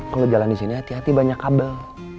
kalau lo jalan disini hati hati banyak kabel